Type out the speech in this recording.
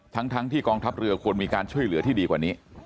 ทั้งที่กองทัพเรือควรมีการช่วยเหลือที่ดีกว่านี้